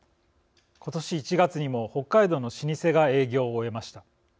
今年１月にも、北海道の老舗が営業を終えました。